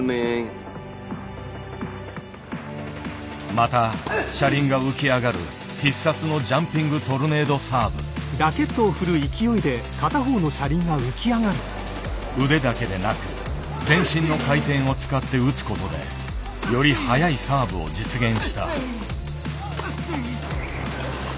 また車輪が浮き上がる必殺の腕だけでなく全身の回転を使って打つことでより速いサーブを実現した。